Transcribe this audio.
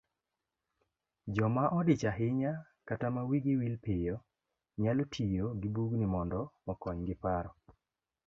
Joma odich ahinya kata ma wigi wil piyo, nyalo tiyo gibugni mondo okonygi paro